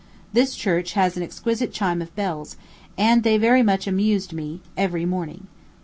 This church has an exquisite chime of bells, and they very much amused me every morning.